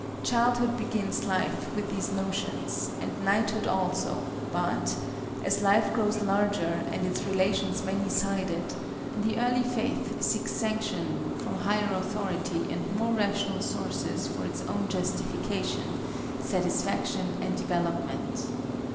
Childhood begins life with these notions, and knighthood also; but, as life grows larger and its relations many sided, the early faith seeks sanction from higher authority and more rational sources for its own justification, satisfaction and development.